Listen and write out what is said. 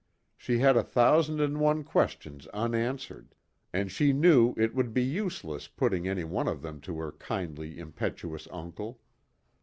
She had a thousand and one questions unanswered, and she knew it would be useless putting any one of them to her kindly, impetuous uncle.